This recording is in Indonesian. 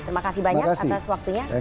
terima kasih banyak atas waktunya